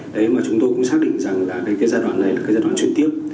đấy mà chúng tôi cũng xác định rằng là cái giai đoạn này là cái giai đoạn chuyển tiếp